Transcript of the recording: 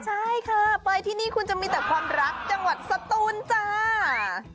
ใช่ค่ะไปที่นี่คุณจะมีแต่ความรักจังหวัดสตูนจ้า